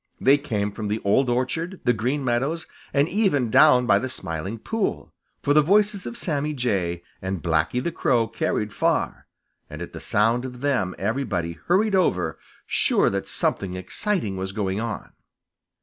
They came from the Old Orchard, the Green Meadows, and even down by the Smiling Pool, for the voices of Sammy Jay and Blacky the Crow carried far, and at the sound of them everybody hurried over, sure that something exciting was going on.